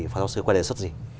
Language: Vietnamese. bác sĩ có đề xuất gì